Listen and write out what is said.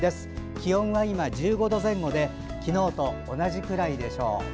気温は今１５度前後で昨日と同じぐらいでしょう。